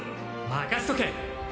任せとけ！